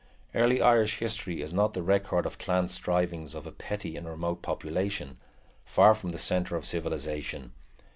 Early Irish history is not the record of the clan strivings of a petty and remote population, far from the centre of civilization.